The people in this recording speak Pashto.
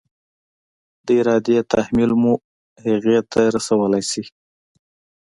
د ارادې تحمیل مو هغې ته رسولی شي؟